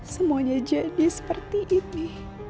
semuanya jadi seperti ini